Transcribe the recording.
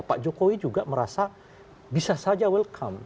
pak jokowi juga merasa bisa saja welcome